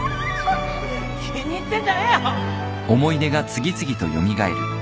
気に入ってんじゃねえよ